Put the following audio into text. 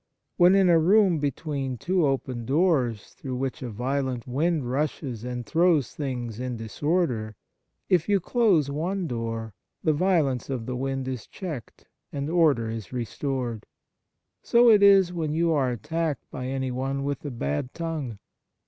When in a room between two open doors through which a violent wind rushes and throws things in disorder, if you close one door the violence of the wind is checked and order is restored. So it is when you are attacked by anyone with a bad tongue.